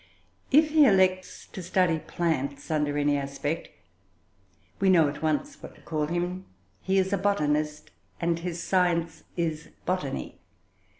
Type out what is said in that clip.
If he elects to study plants, under any aspect, we know at once what to call him. He is a botanist, and his science is botany.